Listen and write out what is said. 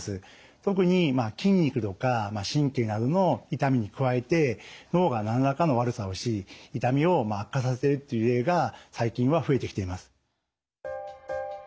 特に筋肉とか神経などの痛みに加えて脳が何らかの悪さをし痛みを悪化させるっていう例が最近は増えてきています。